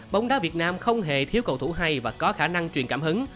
bóng đá việt nam không hề thiếu cầu thủ hay và có khả năng truyền cảm hứng